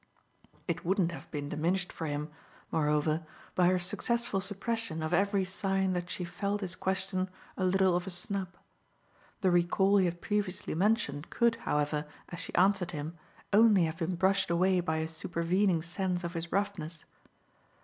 It wouldn't have been diminished for him moreover by her successful suppression of every sign that she felt his question a little of a snub. The recall he had previously mentioned could, however, as she answered him, only have been brushed away by a supervening sense of his roughness.